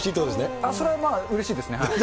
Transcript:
それはまあ、うれしいですね。